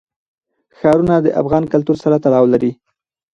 ښارونه د افغان کلتور سره تړاو لري.